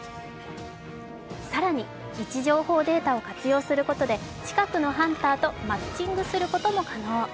更に位置情報データを活用することで近くのハンターとマッチングすることも可能。